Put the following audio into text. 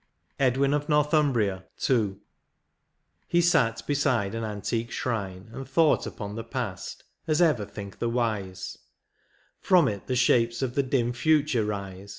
36 XVII. EDWIN OF NORTHUMBRIA. — II. He sat beside on antique shrine and thought Upon the past, as ever think the wise ; From it the shapes of the dim future rise.